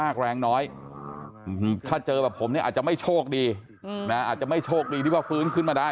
แรงน้อยถ้าเจอแบบผมเนี่ยอาจจะไม่โชคดีนะอาจจะไม่โชคดีที่ว่าฟื้นขึ้นมาได้